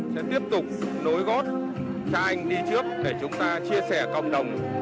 sẽ tiếp tục nối gót cha anh đi trước để chúng ta chia sẻ cộng đồng